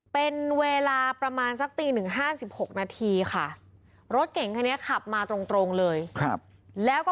เป็นเวลาประมาณสักตี๑๕๖นาทีค่ะรถเก่งค่ะเนี่ยขับมาตรงเลยครับแล้วก็